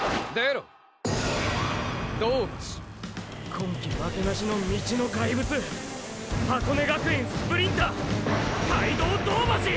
今季負けなしの道の怪物箱根学園スプリンター怪童銅橋！